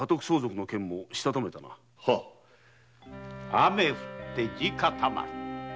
「雨ふって地固まる」